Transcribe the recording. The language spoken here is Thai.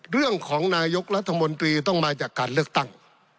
เรื่องของนายกรัฐมนตรีต้องมาจากการเลือกตั้ง